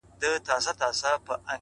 ته یې لور د شراب زه مست زوی د بنګ یم